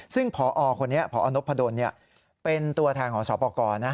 ซึ่งพอคนนี้พอนพดลเป็นตัวแทนของสอบประกอบนะ